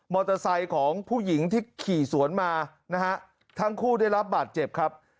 ไซค์ของผู้หญิงที่ขี่สวนมานะฮะทั้งคู่ได้รับบาดเจ็บครับ